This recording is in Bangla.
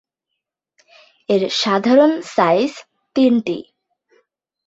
এর সাধারণ সাইজ তিনটি।